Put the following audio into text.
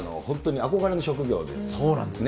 そうなんです。